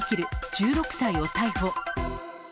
１６歳を逮捕。